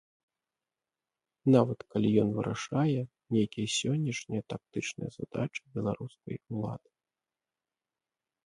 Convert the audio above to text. Нават калі ён вырашае нейкія сённяшнія тактычныя задачы беларускай улады.